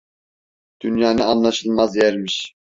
Dünya ne anlaşılmaz yermiş!